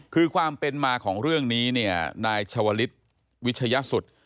คือความเป็นมาของเรื่องนี้เนี่ยนายชาวลิศวิชยสุทธิ์